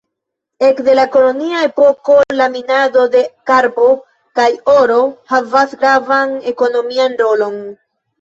Ekde la kolonia epoko, la minado de karbo kaj oro havas gravan ekonomian rolon.